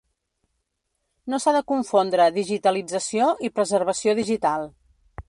No s'ha de confondre digitalització i preservació digital.